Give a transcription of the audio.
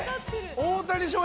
大谷翔平